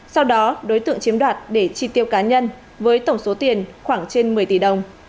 sau đó đối tượng chiếm đoạt để chi tiêu cá nhân với tổng số tiền khoảng trên một mươi tỷ đồng